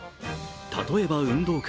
例えば運動会。